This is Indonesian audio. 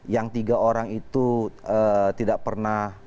yang tiga orang itu tidak pernah